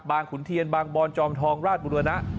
ขุนเทียนบางบอนจอมทองราชบุรณะ